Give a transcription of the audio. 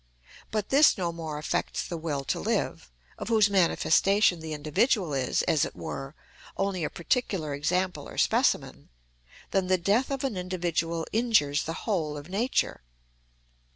But this no more affects the will to live, of whose manifestation the individual is, as it were, only a particular example or specimen, than the death of an individual injures the whole of nature.